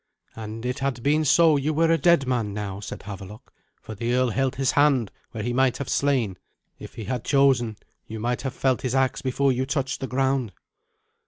"An it had been so, you were a dead man now," said Havelok, "for the earl held his hand where he might have slain. If he had chosen, you might have felt his axe before you touched the ground."